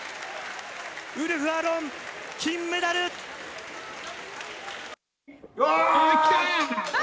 ウルフ・アロン、金メダル！わい！